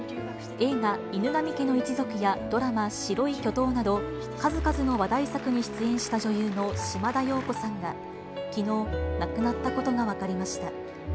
映画、犬神家の一族や、ドラマ、白い巨塔など、数々の話題作に出演した女優の島田陽子さんが、きのう、亡くなったことが分かりました。